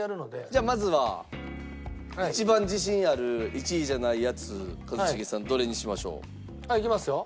じゃあまずは一番自信ある１位じゃないやつ一茂さんどれにしましょう？いきますよ。